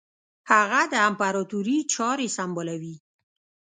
هغه د امپراطوري چاري سمبالوي.